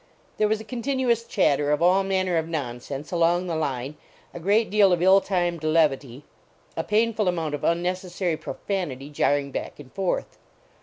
There was a continuous chatter of all manner of nonsense along the line, a great deal of ill timed levity, a painful amount of unnecessary profanity jarring back and forth.